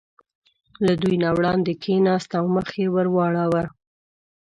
له دوی نه وړاندې کېناست او مخ یې ور واړاوه.